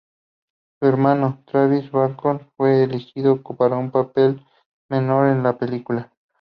Su hermano, Travis Bacon, fue elegido para un papel menor en la película.